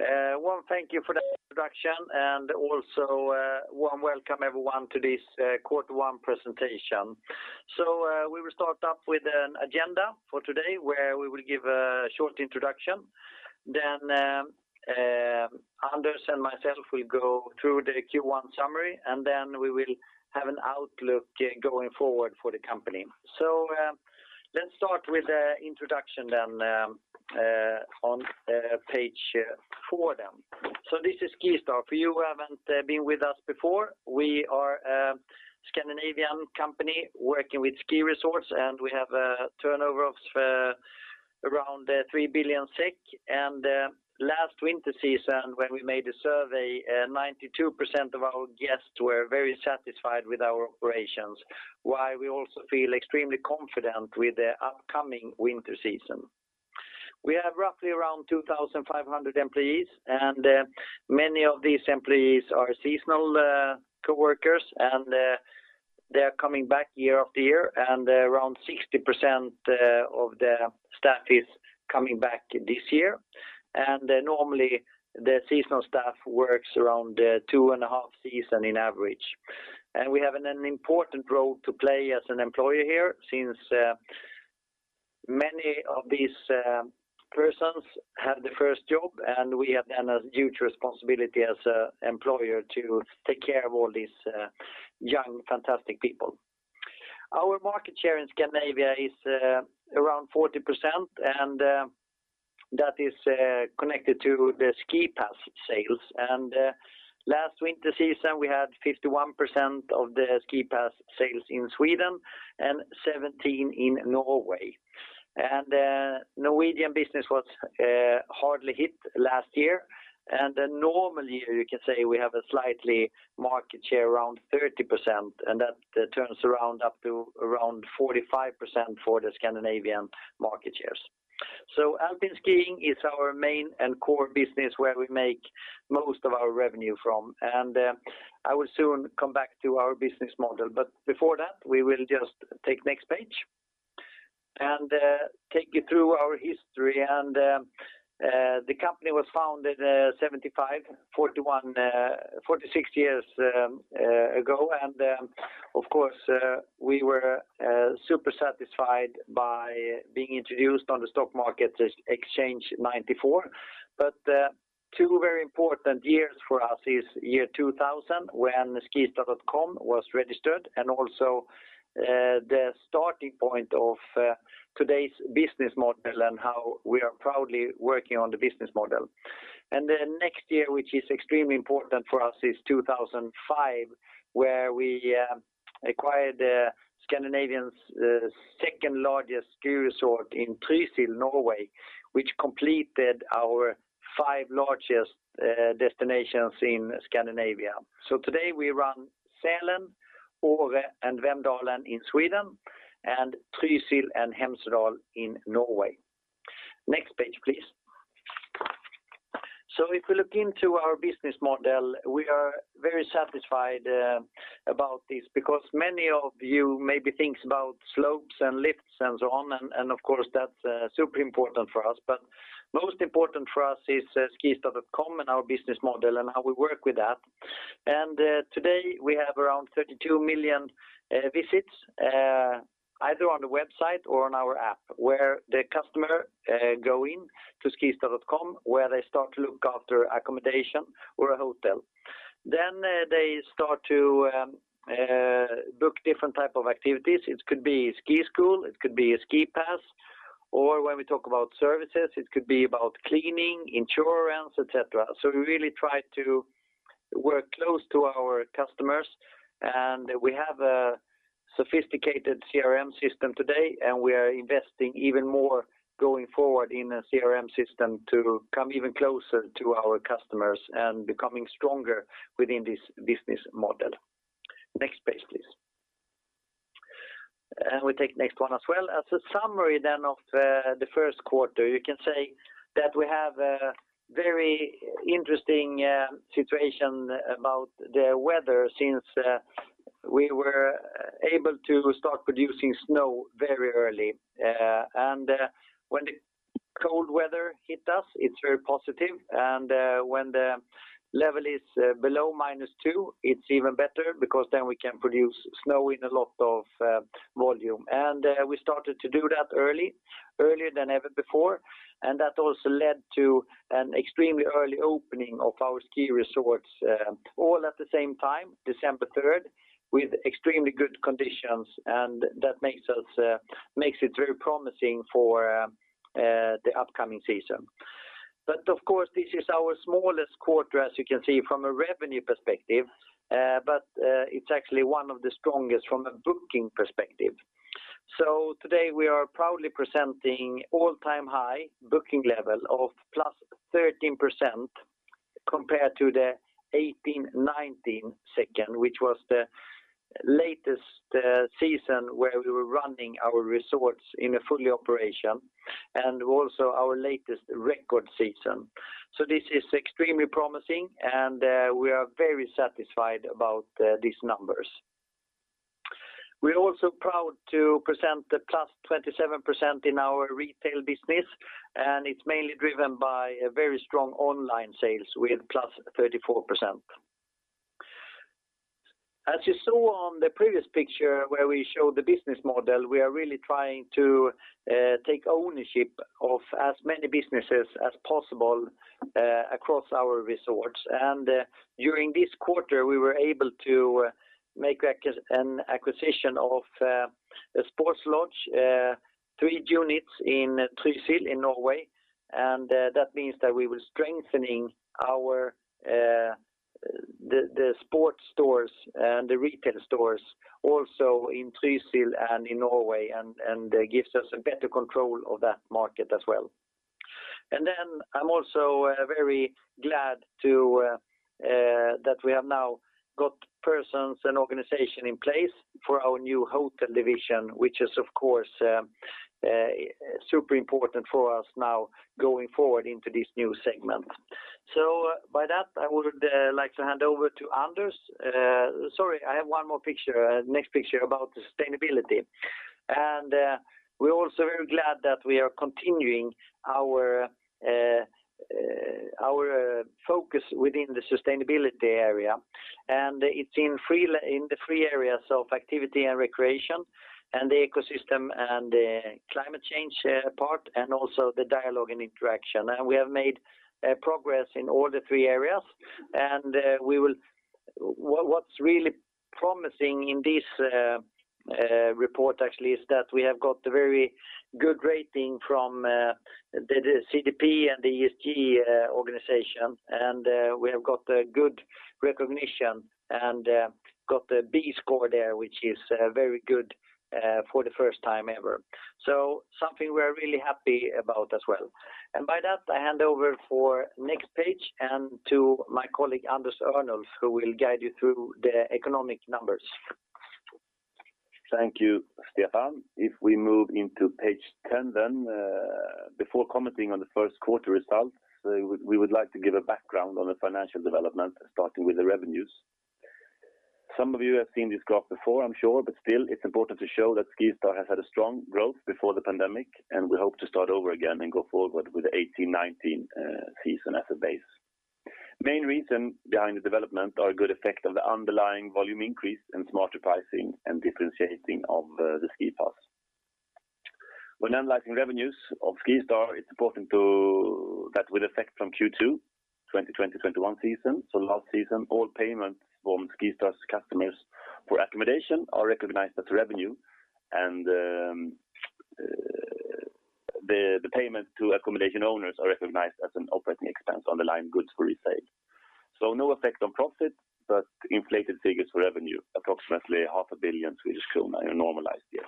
Warm thank you for the introduction and also warm welcome everyone to this quarter one presentation. We will start up with an agenda for today where we will give a short introduction. Then Anders and myself will go through the Q1 summary, and then we will have an outlook going forward for the company. Let's start with the introduction then on page four then. This is SkiStar. For you who haven't been with us before, we are Scandinavian company working with ski resorts, and we have a turnover of around 3 billion SEK. Last winter season when we made a survey, 92% of our guests were very satisfied with our operations, why we also feel extremely confident with the upcoming winter season. We have roughly around 2,500 employees, and many of these employees are seasonal coworkers, and they're coming back year after year, and around 60% of the staff is coming back this year. Normally, the seasonal staff works around two and a half seasons on average. We have an important role to play as an employer here since many of these persons have the first job, and we have then a huge responsibility as an employer to take care of all these young, fantastic people. Our market share in Scandinavia is around 40%, and that is connected to the SkiPass sales. Last winter season, we had 51% of the SkiPass sales in Sweden and 17% in Norway. The Norwegian business was hard hit last year. Normally, you can say we have a solid market share around 30%, and that turns out to be up to around 45% for the Scandinavian market share. Alpine skiing is our main and core business where we make most of our revenue from. I will soon come back to our business model. Before that, we will just take the next page and take you through our history. The company was founded 46 years ago. Of course, we were super satisfied by being introduced on the stock exchange in 1994. Two very important years for us is year 2000 when skistar.com was registered and also the starting point of today's business model and how we are proudly working on the business model. The next year, which is extremely important for us, is 2005, where we acquired Scandinavia's second-largest ski resort in Trysil, Norway, which completed our five largest destinations in Scandinavia. Today we run Sälen, Åre and Vemdalen in Sweden and Trysil and Hemsedal in Norway. Next page, please. If we look into our business model, we are very satisfied about this because many of you maybe think about slopes and lifts and so on, and of course that's super important for us. Most important for us is skistar.com and our business model and how we work with that. Today we have around 32 million visits either on the website or on our app, where the customer go in to skistar.com, where they start to look after accommodation or a hotel. They start to book different type of activities. It could be ski school, it could be a ski pass, or when we talk about services, it could be about cleaning, insurance, et cetera. We really try to work close to our customers. We have a sophisticated CRM system today, and we are investing even more going forward in a CRM system to come even closer to our customers and becoming stronger within this business model. Next page, please. We take next one as well. As a summary then of the first quarter, you can say that we have a very interesting situation about the weather since we were able to start producing snow very early. When the cold weather hit us, it's very positive. When the level is below -2, it's even better because then we can produce snow in a lot of volume. We started to do that early, earlier than ever before. That also led to an extremely early opening of our ski resorts, all at the same time, December 3rd, with extremely good conditions. That makes it very promising for the upcoming season. Of course, this is our smallest quarter as you can see from a revenue perspective, it's actually one of the strongest from a booking perspective. Today we are proudly presenting all-time high booking level of +13% compared to the 2018-19 season, which was the latest season where we were running our resorts in a full operation and also our latest record season. This is extremely promising, and we are very satisfied about these numbers. We're also proud to present the +27% in our retail business, and it's mainly driven by a very strong online sales with +34%. As you saw on the previous picture where we showed the business model, we are really trying to take ownership of as many businesses as possible across our resorts. During this quarter, we were able to make an acquisition of a Sport Lodgen, three units in Trysil in Norway. That means that we were strengthening our, the sports stores and the retail stores also in Trysil and in Norway, and gives us a better control of that market as well. I'm also very glad that we have now got personnel and organization in place for our new hotel division, which is of course super important for us now going forward into this new segment. By that, I would like to hand over to Anders. Sorry, I have one more picture, next picture about sustainability. We're also very glad that we are continuing our focus within the sustainability area. It's in the three areas of activity and recreation, and the ecosystem and climate change part, and also the dialogue and interaction. We have made progress in all the three areas. What's really promising in this report actually is that we have got a very good rating from the CDP and the ESG organization. We have got a good recognition and got a B score there, which is very good for the first time ever. Something we're really happy about as well. By that, I hand over for next page and to my colleague, Anders Örnulf, who will guide you through the economic numbers. Thank you, Stefan. If we move into page ten then, before commenting on the first quarter results, we would like to give a background on the financial development, starting with the revenues. Some of you have seen this graph before, I'm sure, but still it's important to show that SkiStar has had a strong growth before the pandemic, and we hope to start over again and go forward with the 2018-2019 season as a base. Main reason behind the development are a good effect of the underlying volume increase and smarter pricing and differentiating of the SkiPass. When analyzing revenues of SkiStar, it's important that with effect from Q2, 2020/2021 season, so last season, all payments from SkiStar's customers for accommodation are recognized as revenue. The payment to accommodation owners are recognized as an operating expense underlying goods for resale. No effect on profit, but inflated figures for revenue, approximately half a billion Swedish krona in a normalized year.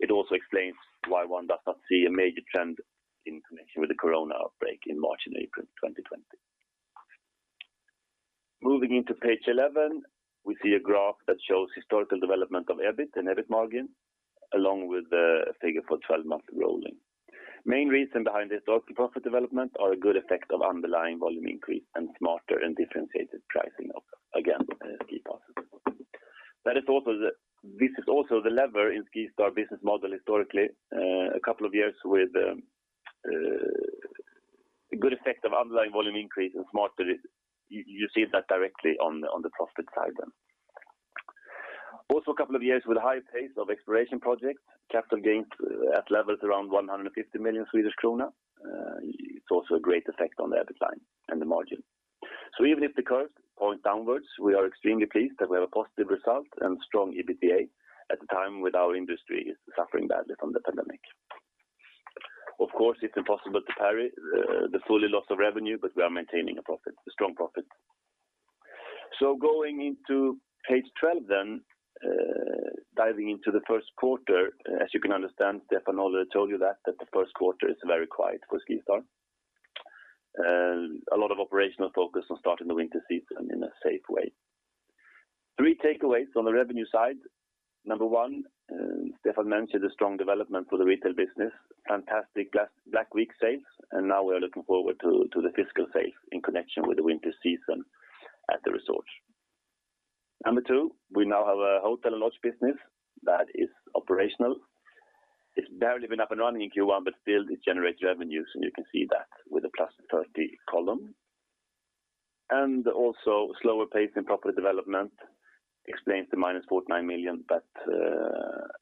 It also explains why one does not see a major trend in connection with the corona outbreak in March and April 2020. Moving to page 11, we see a graph that shows historical development of EBIT and EBIT margin, along with the figure for 12-month rolling. Main reason behind the historical profit development are a good effect of underlying volume increase and smarter and differentiated pricing of, again, SkiPass. This is also the lever in SkiStar business model historically. A couple of years with a good effect of underlying volume increase and smarer. You see that directly on the profit side then. A couple of years with a high pace of exploitation projects, capital gains at levels around 150 million Swedish krona. It's also a great effect on the EBIT line and the margin. Even if the curve points downwards, we are extremely pleased that we have a positive result and strong EBITDA at the time with our industry suffering badly from the pandemic. Of course, it's impossible to parry the full loss of revenue, but we are maintaining a profit, a strong profit. Going into page 12 then, diving into the first quarter. As you can understand, Stefan already told you that the first quarter is very quiet for SkiStar. A lot of operational focus on starting the winter season in a safe way. Three takeaways on the revenue side. Number 1, Stefan mentioned the strong development for the retail business. Fantastic last Black Week sales, and now we're looking forward to the physical sale in connection with the winter season at the resort. Number 2, we now have a hotel and lodge business that is operational. It's barely been up and running in Q1, but still it generates revenues, and you can see that with the +30 column. Also slower pace in property development explains the -49 million.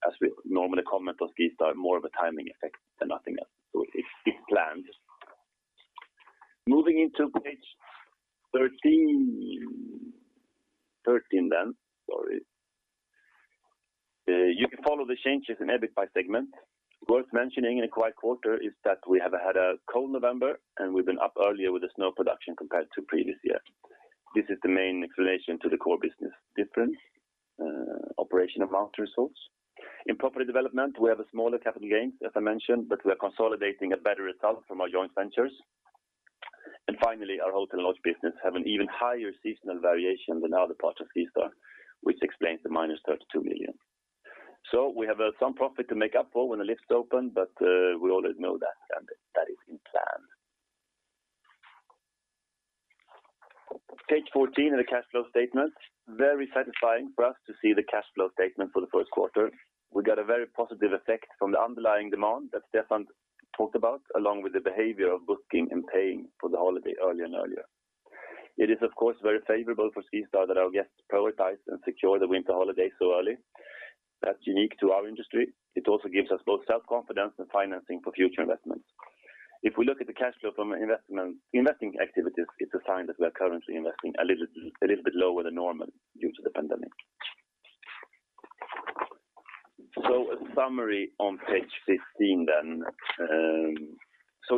As we normally comment on SkiStar, more of a timing effect than nothing else. It's planned. Moving into page 13. 13 then, sorry. You can follow the changes in EBIT by segment. Worth mentioning in a quiet quarter is that we have had a cold November and we've been up earlier with the snow production compared to previous year. This is the main explanation to the core business difference, operational mountain resorts. In property development, we have a smaller capital gains, as I mentioned, but we are consolidating a better result from our joint ventures. Finally, our hotel and lodge business have an even higher seasonal variation than other parts of SkiStar, which explains the -32 million. We have some profit to make up for when the lifts open, but we already know that. Page 14 of the cash flow statement. Very satisfying for us to see the cash flow statement for the first quarter. We got a very positive effect from the underlying demand that Stefan talked about, along with the behavior of booking and paying for the holiday earlier and earlier. It is of course, very favorable for SkiStar that our guests prioritize and secure the winter holiday so early. That's unique to our industry. It also gives us both self-confidence and financing for future investments. If we look at the cash flow from investing activities, it's a sign that we are currently investing a little bit lower than normal due to the pandemic. A summary on page 15 then.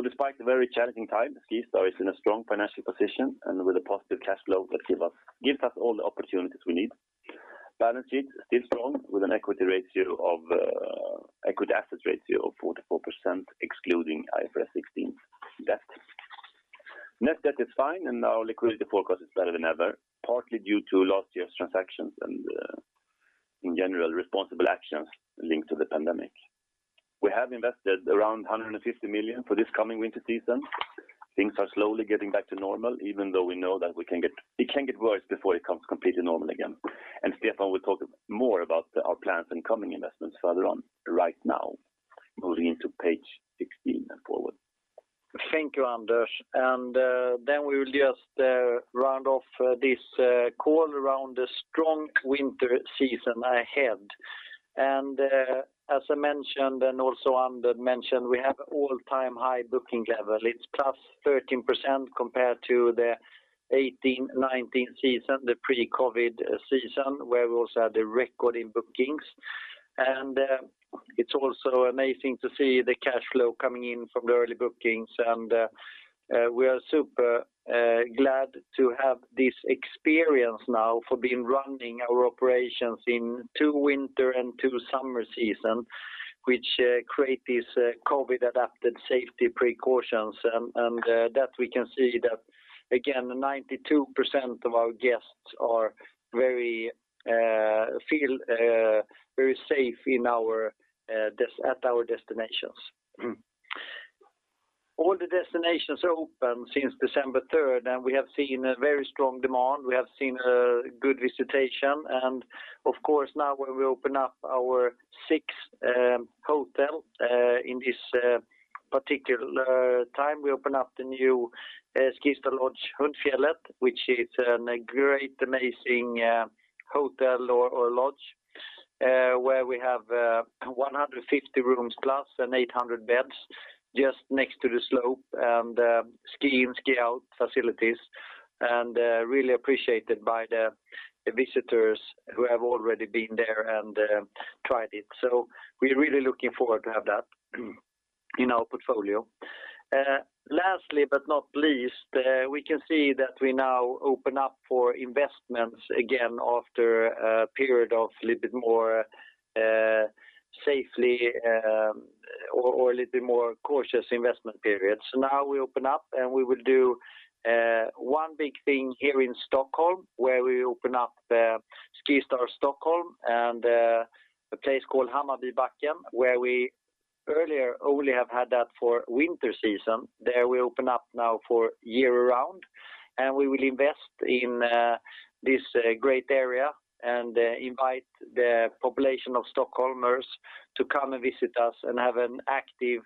Despite the very challenging time, SkiStar is in a strong financial position and with a positive cash flow that gives us all the opportunities we need. Balance sheet is still strong with an equity ratio of 44%, excluding IFRS 16 debt. Net debt is fine, and our liquidity forecast is better than ever, partly due to last year's transactions and, in general, responsible actions linked to the pandemic. We have invested around 150 million for this coming winter season. Things are slowly getting back to normal, even though we know that it can get worse before it comes completely normal again. Stefan will talk more about our plans and coming investments further on right now, moving into page 16 and forward. Thank you, Anders. Then we will just round off this call around the strong winter season ahead. As I mentioned, and also Anders mentioned, we have all-time high booking level. It's plus 13% compared to the 2018-2019 season, the pre-COVID season, where we also had the record in bookings. It's also amazing to see the cash flow coming in from the early bookings. We are super glad to have this experience now for being running our operations in two winter and two summer season, which create these COVID-adapted safety precautions. That we can see that again, 92% of our guests feel very safe at our destinations. All the destinations are open since December third, and we have seen a very strong demand. We have seen good visitation. Of course, now when we open up our sixth hotel in this particular time, we open up the new SkiStar Lodge Hundfjället, which is a great, amazing hotel or lodge where we have 150 rooms plus and 800 beds just next to the slope and ski in, ski out facilities, and really appreciated by the visitors who have already been there and tried it. We're really looking forward to have that in our portfolio. Lastly but not least, we can see that we now open up for investments again after a period of a little bit more safely or a little bit more cautious investment periods. Now we open up, and we will do one big thing here in Stockholm, where we open up SkiStar Stockholm and a place called Hammarbybacken, where we earlier only have had that for winter season. There we open up now for year-round, and we will invest in this great area and invite the population of Stockholmers to come and visit us and have an active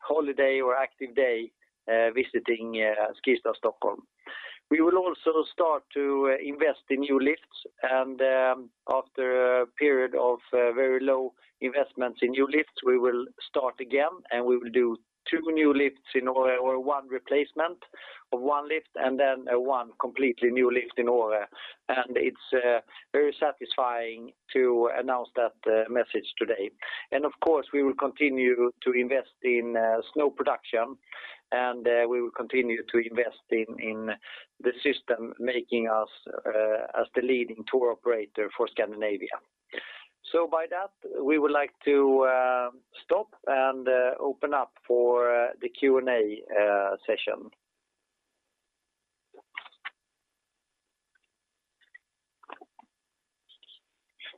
holiday or active day visiting SkiStar Stockholm. We will also start to invest in new lifts. After a period of very low investments in new lifts, we will start again, and we will do two new lifts in Åre or one replacement of one lift and then one completely new lift in Åre. It's very satisfying to announce that message today. Of course, we will continue to invest in snow production, and we will continue to invest in the system, making us as the leading tour operator for Scandinavia. By that, we would like to stop and open up for the Q&A session.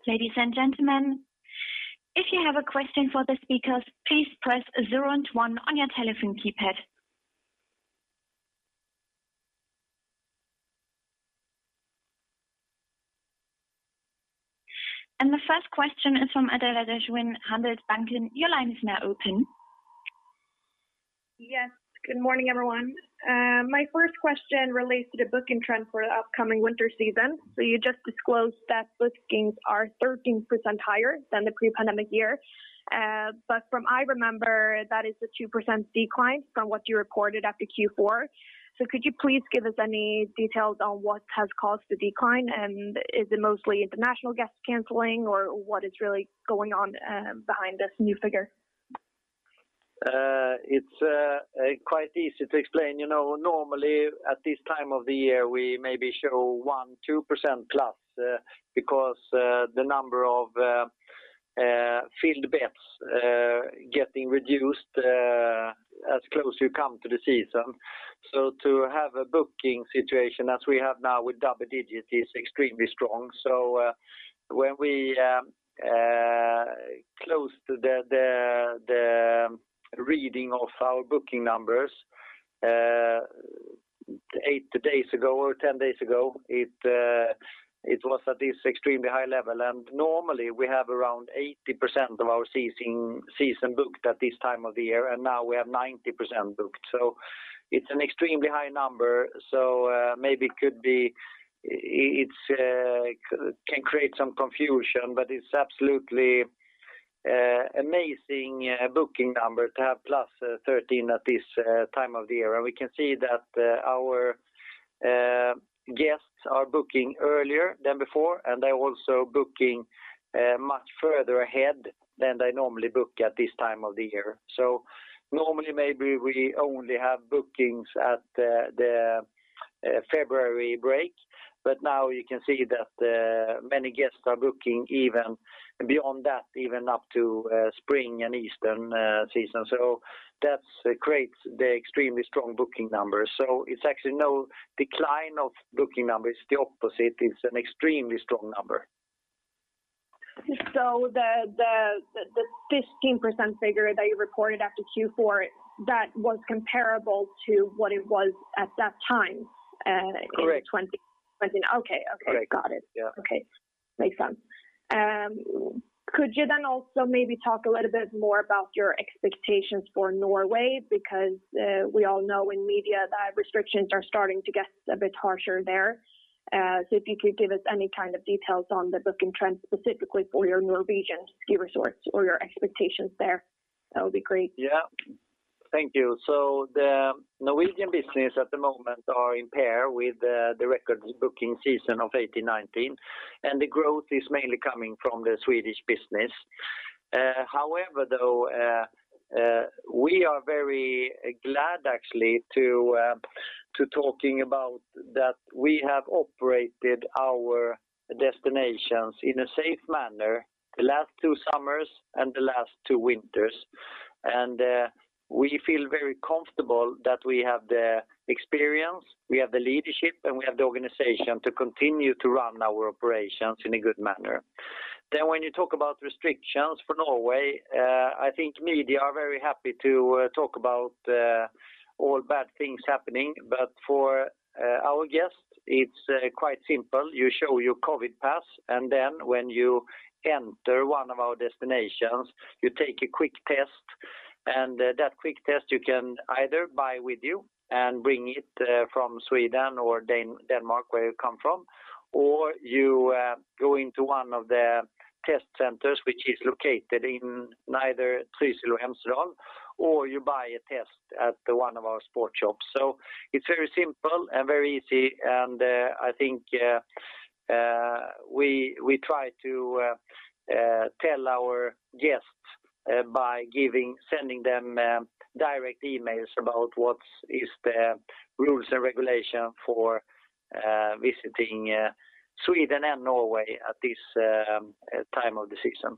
Ladies and gentlemen, if you have a question for the speakers, please press zero and one on your telephone keypad. The first question is from Adela Dezső, Handelsbanken. Your line is now open. Yes. Good morning, everyone. My first question relates to the booking trend for the upcoming winter season. You just disclosed that bookings are 13% higher than the pre-pandemic year. From what I remember, that is a 2% decline from what you reported after Q4. Could you please give us any details on what has caused the decline? Is it mostly international guests canceling or what is really going on behind this new figure? It's quite easy to explain. You know, normally at this time of the year, we maybe show 1%-2% plus, because the number of filled beds getting reduced, as close you come to the season. To have a booking situation as we have now with double digits is extremely strong. When we close the reading of our booking numbers 8 days ago or 10 days ago, it was at this extremely high level. Normally we have around 80% of our season booked at this time of the year, and now we have 90% booked. It's an extremely high number. It can create some confusion, but it's absolutely amazing booking number to have +13% at this time of the year. We can see that our guests are booking earlier than before, and they're also booking much further ahead than they normally book at this time of the year. Normally, maybe we only have bookings at the February break, but now you can see that many guests are booking even beyond that, even up to spring and Easter season. That creates the extremely strong booking numbers. It's actually no decline of booking numbers. It's the opposite. It's an extremely strong number. The 15% figure that you reported after Q4, that was comparable to what it was at that time. Correct. in 2020. Okay. Correct. Got it. Yeah. Okay. Makes sense. Could you then also maybe talk a little bit more about your expectations for Norway? Because, we all know in media that restrictions are starting to get a bit harsher there. If you could give us any kind of details on the booking trends specifically for your Norwegian ski resorts or your expectations there, that would be great. Thank you. The Norwegian business at the moment is on par with the record booking season of 2018-19, and the growth is mainly coming from the Swedish business. However, we are very glad actually to talk about that we have operated our destinations in a safe manner the last two summers and the last two winters. We feel very comfortable that we have the experience, we have the leadership, and we have the organization to continue to run our operations in a good manner. When you talk about restrictions for Norway, I think media are very happy to talk about all bad things happening. For our guests, it's quite simple. You show your COVID pass, and then when you enter one of our destinations, you take a quick test. That quick test you can either buy with you and bring it from Sweden or Denmark, where you come from, or you go into one of the test centers which is located in either Trysil or Hemsedal, or you buy a test at one of our sports shops. It's very simple and very easy. I think we try to tell our guests by sending them direct emails about what is the rules and regulation for visiting Sweden and Norway at this time of the season.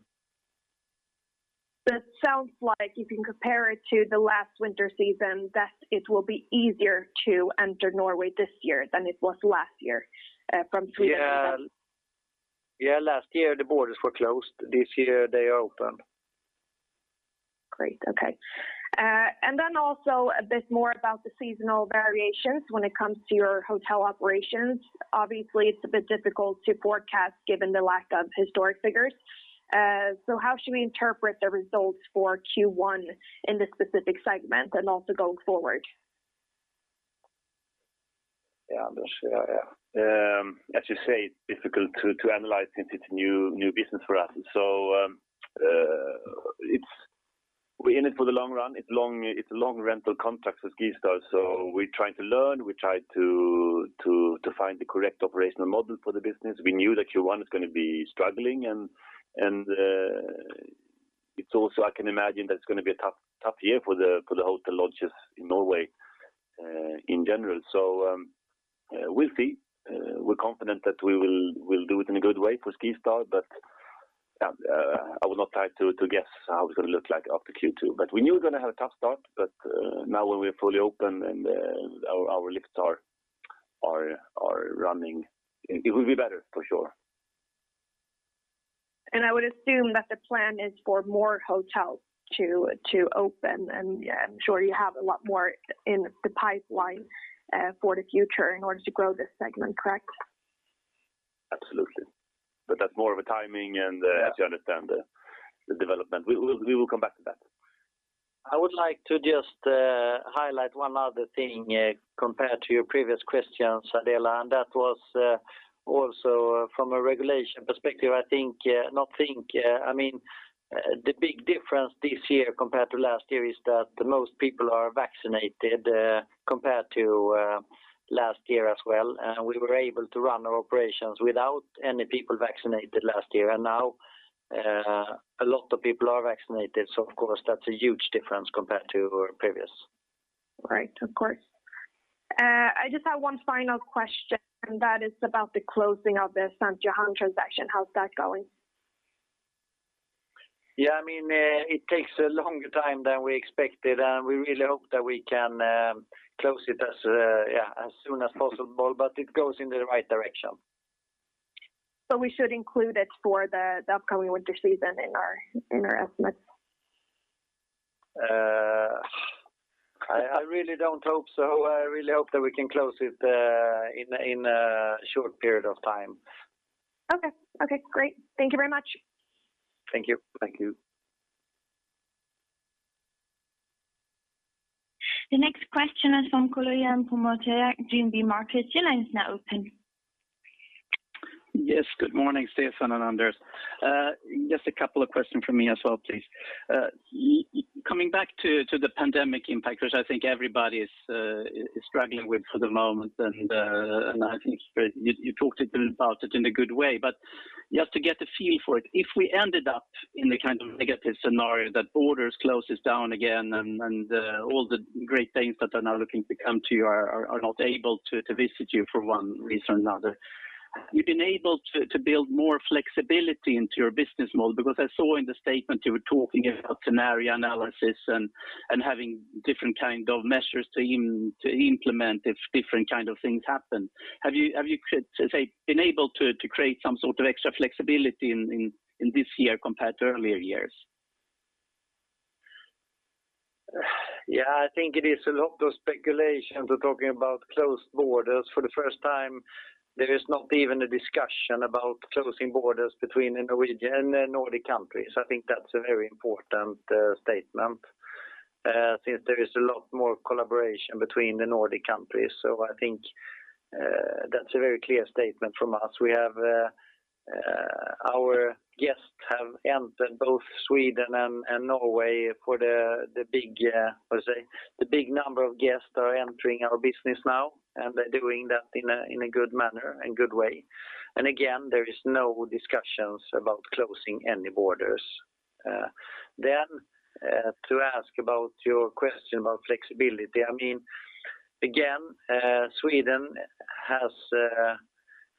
That sounds like you can compare it to the last winter season, that it will be easier to enter Norway this year than it was last year, from Sweden and- Yeah. Yeah, last year the borders were closed. This year they are open. Great. Okay. Also a bit more about the seasonal variations when it comes to your hotel operations. Obviously, it's a bit difficult to forecast given the lack of historical figures. How should we interpret the results for Q1 in this specific segment and also going forward? Yeah. As you say, it's difficult to analyze since it's new business for us. We're in it for the long run. It's long rental contracts with SkiStar, so we're trying to learn. We try to find the correct operational model for the business. We knew that Q1 is gonna be struggling and it's also, I can imagine that it's gonna be a tough year for the hotel lodges in Norway, in general. We'll see. We're confident that we'll do it in a good way for SkiStar, but I will not try to guess how it's gonna look like after Q2. We knew we're gonna have a tough start, but now that we're fully open and our lifts are running, it will be better for sure. I would assume that the plan is for more hotels to open. Yeah, I'm sure you have a lot more in the pipeline for the future in order to grow this segment, correct? Absolutely. That's more of a timing and. Yeah. As you understand the development. We will come back to that. I would like to just highlight one other thing compared to your previous question, Adela, and that was also from a regulation perspective. I mean the big difference this year compared to last year is that the most people are vaccinated compared to last year as well. We were able to run our operations without any people vaccinated last year. Now a lot of people are vaccinated, so of course that's a huge difference compared to our previous. Right. Of course. I just have one final question, and that is about the closing of the St. Johann transaction. How's that going? Yeah. I mean, it takes a longer time than we expected, and we really hope that we can close it as, yeah, as soon as possible, but it goes in the right direction. We should include it for the upcoming winter season in our estimates? I really don't hope so. I really hope that we can close it, in a short period of time. Okay. Okay, great. Thank you very much. Thank you. Thank you. The next question is from Kolojan Pumoteak, GMB Markets. Your line is now open. Yes. Good morning, Stefan and Anders. Just a couple of questions from me as well, please. Coming back to the pandemic impact, which I think everybody is struggling with for the moment, and I think you talked a little about it in a good way. Just to get a feel for it, if we ended up in the kind of negative scenario that borders close down again and all the guests that are now looking to come to you are not able to visit you for one reason or another, you've been able to build more flexibility into your business model because I saw in the statement you were talking about scenario analysis and having different kind of measures to implement if different kind of things happen. Have you been able to create some sort of extra flexibility in this year compared to earlier years? Yeah, I think it is a lot of speculation. We're talking about closed borders. For the first time there is not even a discussion about closing borders between the Norwegian and Nordic countries. I think that's a very important statement since there is a lot more collaboration between the Nordic countries. I think that's a very clear statement from us. Our guests have entered both Sweden and Norway, and the big number of guests are entering our business now, and they're doing that in a good manner, in good way. Again, there is no discussions about closing any borders. Then to answer your question about flexibility. I mean, again, Sweden has a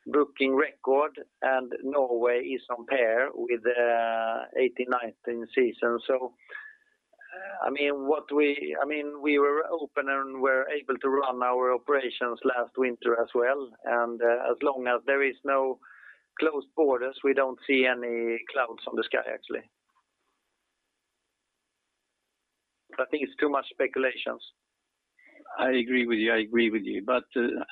booking record and Norway is on par with 18-19 season. I mean, we were open and were able to run our operations last winter as well. As long as there is no closed borders, we don't see any clouds on the sky actually. I think it's too much speculations. I agree with you.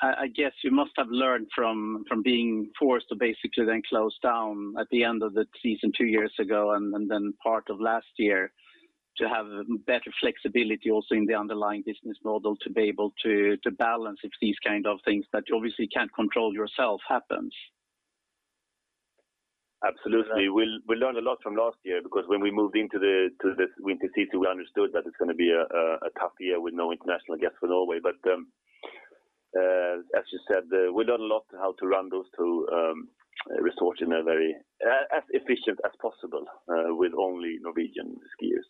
I guess you must have learned from being forced to basically then close down at the end of the season two years ago and then part of last year to have better flexibility also in the underlying business model to be able to balance if these kind of things that you obviously can't control yourself happens. Absolutely. We learned a lot from last year because when we moved into the winter season, we understood that it's gonna be a tough year with no international guests for Norway. As you said, we learned a lot how to run those two resorts as efficiently as possible with only Norwegian skiers.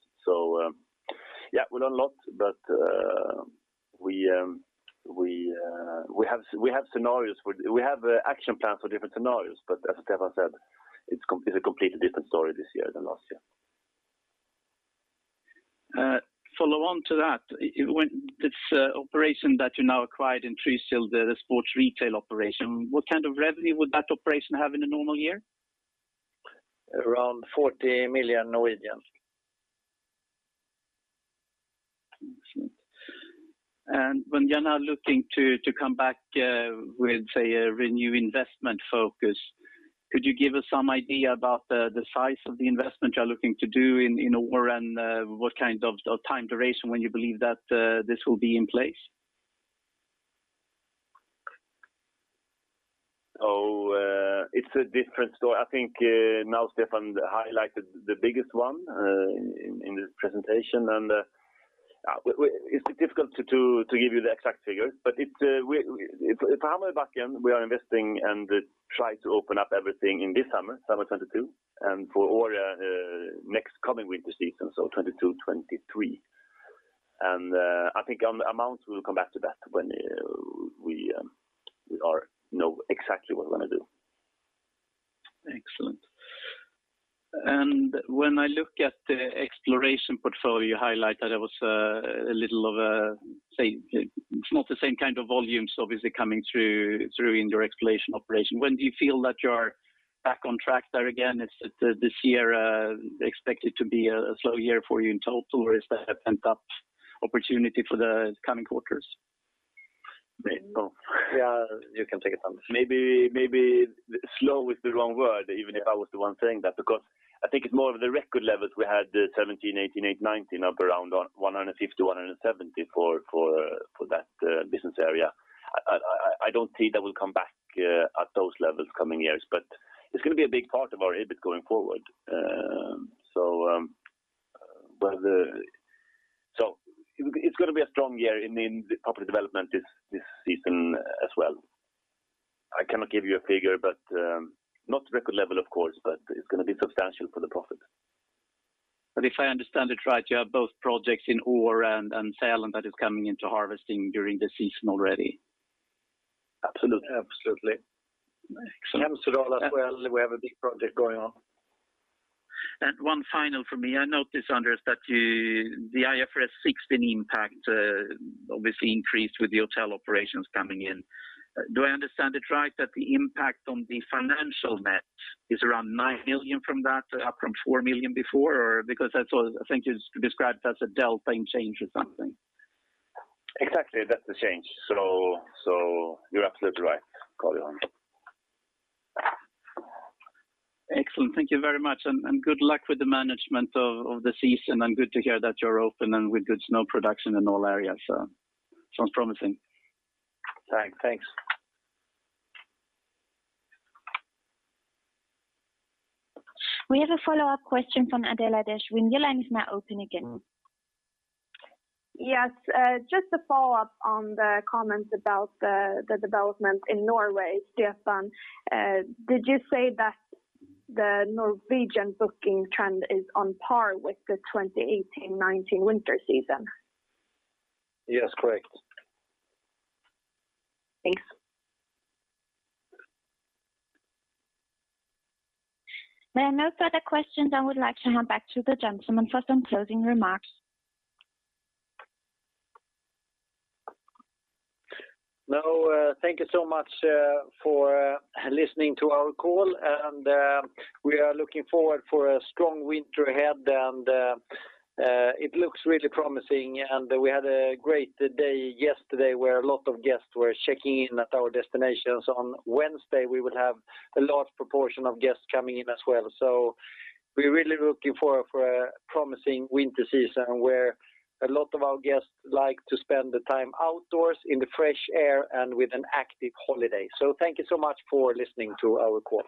Yeah, we learned a lot, but we have action plans for different scenarios. As Stefan said, it's a completely different story this year than last year. Follow on to that. When this operation that you now acquired in Trysil, the sports retail operation, what kind of revenue would that operation have in a normal year? Around NOK 40 million. Excellent. When you're now looking to come back with, say, a renewed investment focus, could you give us some idea about the size of the investment you're looking to do in Åre and what kind of time duration when you believe that this will be in place? It's a different story. I think now Stefan highlighted the biggest one in this presentation. It's difficult to give you the exact figures, but if Hammarbybacken, we are investing and try to open up everything in this summer 2022, and for Åre next coming winter season, so 2022, 2023. I think on amounts we'll come back to that when we know exactly what we're gonna do. Excellent. When I look at the exploitation portfolio highlight, that was a bit of a, it's not the same kind of volumes obviously coming through in your exploitation operation. When do you feel that you are back on track there again? Is this year expected to be a slow year for you in total, or is there a pent-up opportunity for the coming quarters? Me or... Yeah. You can take it, Anders Örnulf. Maybe slow is the wrong word, even if I was the one saying that, because I think it's more of the record levels we had 2017, 2018, 2019 of around 150, 170 for that business area. I don't think that will come back at those levels coming years, but it's gonna be a big part of our EBIT going forward. It's gonna be a strong year in the property development this season as well. I cannot give you a figure, but not record level of course, but it's gonna be substantial for the profit. If I understand it right, you have both projects in Åre and Sälen that is coming into harvesting during the season already. Absolutely. Absolutely. Excellent. In Hemsedal as well, we have a big project going on. One final from me. I notice, Anders, the IFRS 16 impact obviously increased with the hotel operations coming in. Do I understand it right that the impact on the financial net is around 9 million from that, up from 4 million before? Or because that's all I think is described as a delta same change or something. Exactly. That's the change. You're absolutely right, Kolojan. Excellent. Thank you very much. Good luck with the management of the season, and good to hear that you're open and with good snow production in all areas. Sounds promising. Thanks. We have a follow-up question from Adela Dezső. Your line is now open again. Yes. Just to follow up on the comments about the development in Norway. Stefan, did you say that the Norwegian booking trend is on par with the 2018-2019 winter season? Yes, correct. Thanks. There are no further questions. I would like to hand back to the gentlemen for some closing remarks. No, thank you so much for listening to our call, and we are looking forward for a strong winter ahead. It looks really promising. We had a great day yesterday where a lot of guests were checking in at our destinations. On Wednesday, we will have a large proportion of guests coming in as well. We're really looking for a promising winter season where a lot of our guests like to spend the time outdoors in the fresh air and with an active holiday. Thank you so much for listening to our call.